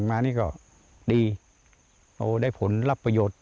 มานี่ก็ดีเอาได้ผลรับประโยชน์